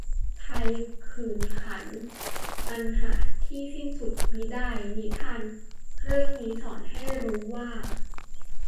ไทยขื่นขัน อันหาที่สิ้นสุดมิได้ "นิทานเรื่องนี้สอนให้รู้ว่า"